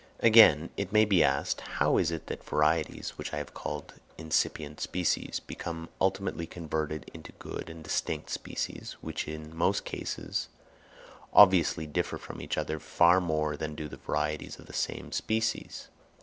Again, it may be asked, how is it that varieties, which I have called incipient species, become ultimately converted into good and distinct species, which in most cases obviously differ from each other far more than do the varieties of the same species?